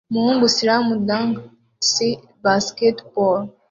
Umuhungu slam dunks basketball